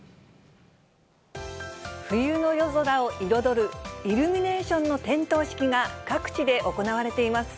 冬の夜空を彩るイルミネーションの点灯式が各地で行われています。